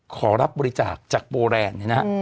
ขอรับบริจาคจากโบแรนด์เนี่ยนะฮะ